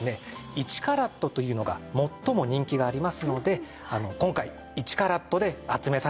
１カラットというのが最も人気がありますので今回１カラットで集めさせて頂きました。